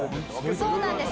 そうなんです。